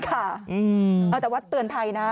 ค่ะแต่ว่าเตือนภัยนะ